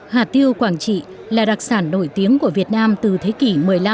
hạt tiêu quảng trị là đặc sản nổi tiếng của việt nam từ thế kỷ một mươi năm